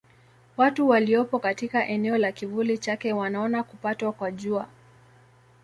Watu waliopo katika eneo la kivuli chake wanaona kupatwa kwa Jua.